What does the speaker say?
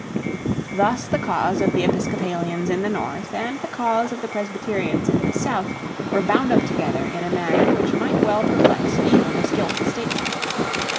Thus the cause of the Episcopalians in the north and the cause of the Presbyterians in the south were bound up together in a manner which might well perplex even a skilful statesman.